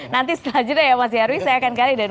nanti setelah itu ya mas yarwi saya akan kelihatan